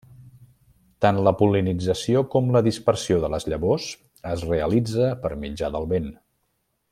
Tant la pol·linització com la dispersió de les llavors es realitza per mitjà del vent.